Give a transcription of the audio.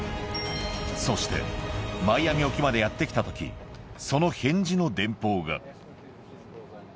そしてマイアミ沖までやって来たとき、その返事の電報が。